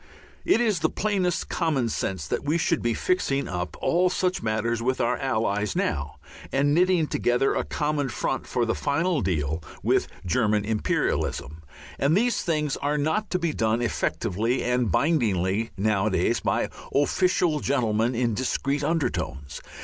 It is the plainest common sense that we should be fixing up all such matters with our Allies now, and knitting together a common front for the final deal with German Imperialism. And these things are not to be done effectively and bindingly nowadays by official gentlemen in discreet undertones.